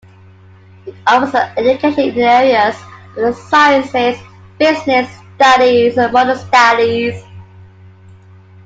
It offers education in the areas of the sciences, business studies and modern studies.